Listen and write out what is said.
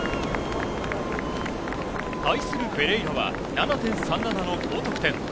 対するフェレイラは、７．３７の高得点。